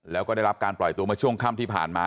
แล้วก็ได้รับการปล่อยตัวมาช่วงค่ำที่ผ่านมา